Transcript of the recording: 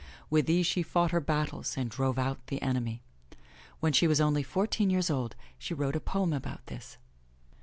With these she fought her battles and drove out the enemy. When she was only fourteen years old she wrote a poem about this.